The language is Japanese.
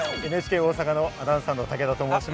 ＮＨＫ大阪のアナウンサーの武田と申します。